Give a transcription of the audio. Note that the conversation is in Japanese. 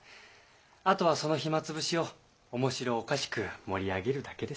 あとはその暇つぶしを面白おかしく盛り上げるだけです。